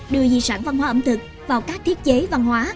đưa di sản văn hóa ẩm thực vào các thiết chế văn hóa